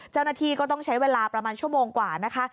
เจ้าหน้าที่ก็ต้องใช้เวลาประมาณชั่วโมงกว่านะคะ